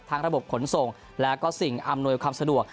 ระบบขนส่งและก็สิ่งอำนวยความสะดวก